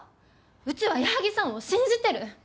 うちは矢作さんを信じてる。